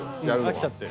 飽きちゃって。